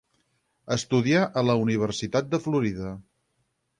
Estudià a la Universitat de Florida.